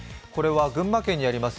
群馬県にあります